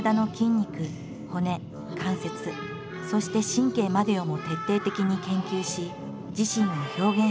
肉骨関節そして神経までをも徹底的に研究し自身を表現する。